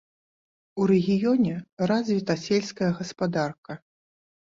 У рэгіёне развіта сельская гаспадарка.